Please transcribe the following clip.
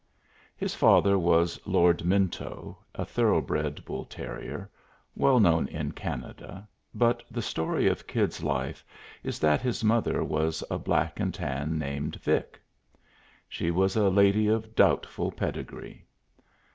His father was Lord Minto, a thoroughbred bull terrier, well known in Canada, but the story of Kid's life is that his mother was a black and tan named Vic. She was a lady of doubtful pedigree.